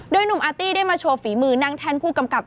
หนุ่มอาร์ตี้ได้มาโชว์ฝีมือนั่งแท่นผู้กำกับ